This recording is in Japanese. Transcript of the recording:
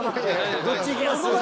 どっち行きます？